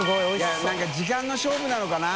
い何か時間の勝負なのかな？